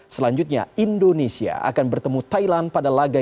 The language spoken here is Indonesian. selanjutnya indonesia akan bertemu thailand pada laga